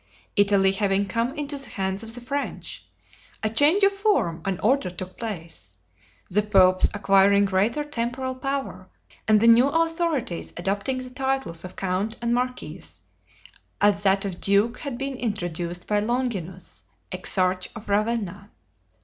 Italy having come into the hands of the French, a change of form and order took place, the popes acquiring greater temporal power, and the new authorities adopting the titles of count and marquis, as that of duke had been introduced by Longinus, exarch of Ravenna.